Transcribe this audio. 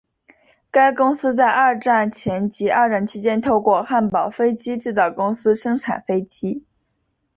该公司在二战前及二战期间透过汉堡飞机制造公司生产飞机。